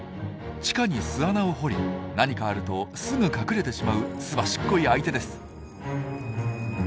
地下に巣穴を掘り何かあるとすぐ隠れてしまうすばしっこい相手です。